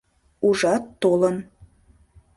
Ужат, толын.